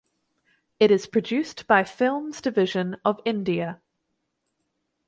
It is produced by Films Division of India.